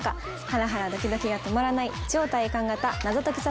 はらはらドキドキが止まらない超体感型謎解き